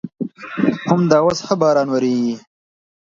همدا اوس ښه باران ورېږي.